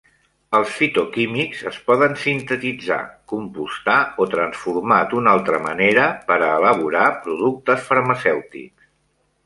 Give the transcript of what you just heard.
Els fitoquímics es poden sintetitzar, compostar o transformar d'una altra manera per a elaborar productes farmacèutics.